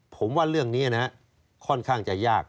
ผมว่าเรื่องนี้ค่อนข้างจะยาก